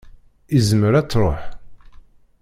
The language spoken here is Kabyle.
Izmer ad d-tṛuḥ.